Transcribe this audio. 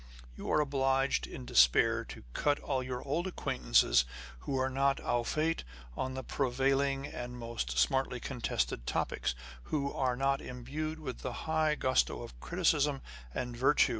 You are obliged in despair to cut all your old acquaintances who are not au fait on On the Conversation of Authors. 37 the prevailing and most smartly contested topics, who are not imbued with the high gusto of criticism and virtu.